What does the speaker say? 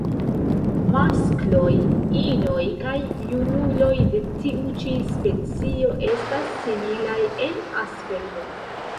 Maskloj, inoj kaj junuloj de tiu ĉi specio estas similaj en aspekto.